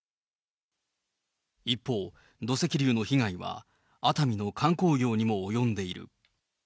一方、土石流の被害は熱海の観光業にも及んでいる。